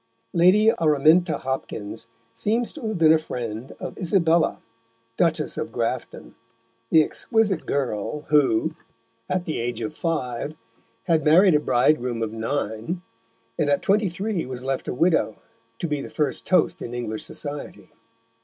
Lady Araminta Hopkins seems to have been a friend of Isabella, Duchess of Grafton, the exquisite girl who, at the age of five, had married a bridegroom of nine, and at twenty three was left a widow, to be the first toast in English society.